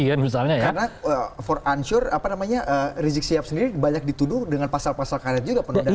karena for unsure rejiksi ap sendiri banyak dituduh dengan pasal pasal karet juga